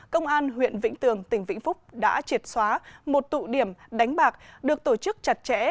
công an huyện vĩnh tường tỉnh vĩnh phúc đã triệt xóa một tụ điểm đánh bạc được tổ chức chặt chẽ